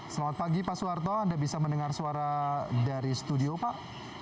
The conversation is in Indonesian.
selamat pagi pak suharto anda bisa mendengar suara dari studio pak